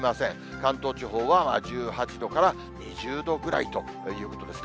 関東地方は１８度から２０度ぐらいということですね。